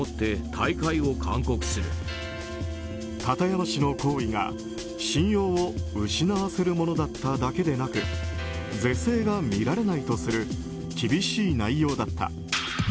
片山氏の行為が、信用を失わせるものだっただけでなく是正が見られないとする厳しい内容だった。